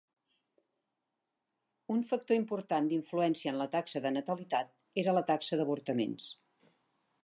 Un factor important d'influència en la taxa de natalitat era la taxa d'avortaments.